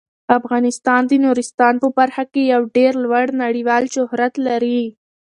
افغانستان د نورستان په برخه کې یو ډیر لوړ نړیوال شهرت لري.